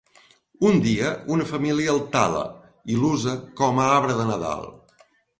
Un dia, una família el tala i l'usa com a Arbre de Nadal.